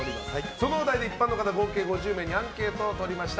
そのお題で一般の方合計５０名にアンケートを取りました。